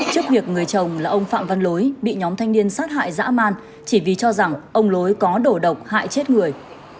trước việc người chồng là ông phạm văn lối bị nhóm thanh niên sát hại dã man chỉ vì cho rằng ông lối có đổ độc hại chết người